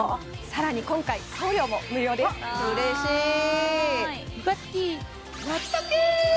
さらに今回送料も無料です嬉しいわい！